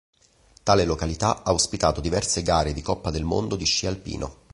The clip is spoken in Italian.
Tale località ha ospitato diverse gare di Coppa del Mondo di sci alpino.